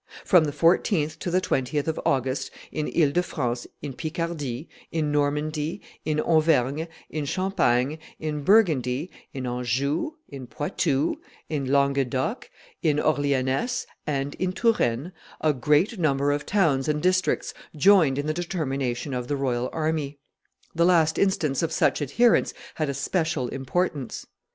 From the 14th to the 20th of August, in Ile de France, in Picardy, in Normandy, in Auvergne, in Champagne, in Burgundy, in Anjou, in Poitou, in Languedoc, in Orleanness, and in Touraine, a great number of towns and districts joined in the determination of the royal army. The last instance of such adherence had a special importance.